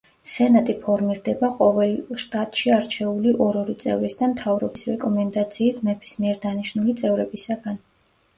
სენატი ფორმირდება ყოველ შტატში არჩეული ორ-ორი წევრის და მთავრობის რეკომენდაციით მეფის მიერ დანიშნული წევრებისაგან.